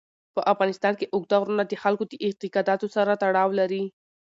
په افغانستان کې اوږده غرونه د خلکو د اعتقاداتو سره تړاو لري.